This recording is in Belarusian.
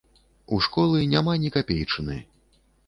У школы няма ні капейчыны.